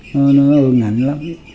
nó ơn ảnh lắm